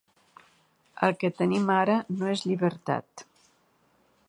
El que tenim ara no és llibertat.